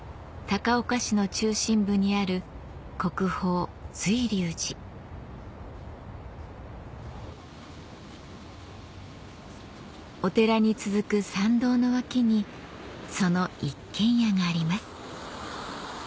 高岡市の中心部にある国宝お寺に続く参道の脇にその一軒家があります